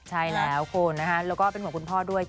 ใช่แล้วคุณนะคะแล้วก็เป็นห่วงคุณพ่อด้วย